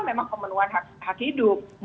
memang kemenuhan hak hidup